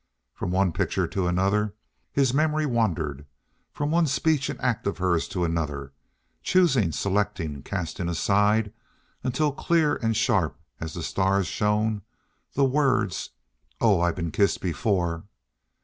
From one picture to another his memory wandered, from one speech and act of hers to another, choosing, selecting, casting aside, until clear and sharp as the stars shone the words, "Oh, I've been kissed before!"